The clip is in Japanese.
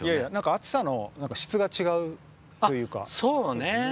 暑さの質が違うというか。